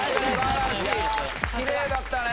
きれいだったね。